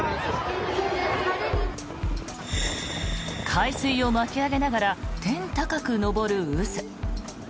海水を巻き上げながら天高く上る渦。